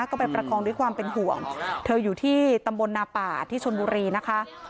ก็ไปประคองด้วยความเป็นห่วงเธออยู่ที่ตำบลนาป่าที่ชนบุรีนะคะ